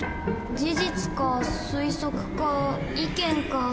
事実か推測か意見か。